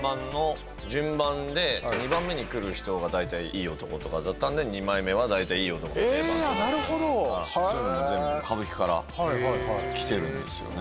２番目にくる人が大体いい男とかだったんで二枚目は大体いい男が定番そういうのも全部歌舞伎からきてるんですよね。